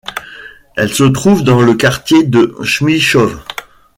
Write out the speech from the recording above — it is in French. Elle se trouve dans le quartier de Smíchov.